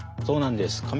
そうなんです。